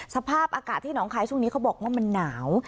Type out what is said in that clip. สภาพอากาศที่หนองคายช่วงนี้เขาบอกว่ามันหนาว